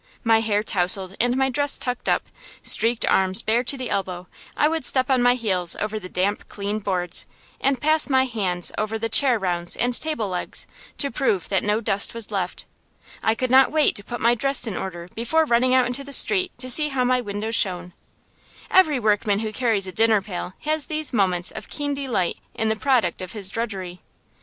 My hair tousled and my dress tucked up, streaked arms bare to the elbow, I would step on my heels over the damp, clean boards, and pass my hand over chair rounds and table legs, to prove that no dust was left. I could not wait to put my dress in order before running out into the street to see how my windows shone. Every workman who carries a dinner pail has these moments of keen delight in the product of his drudgery.